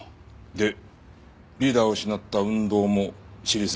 でリーダーを失った運動も尻すぼみに？